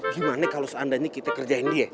gimana kalau seandainya kita kerjain dia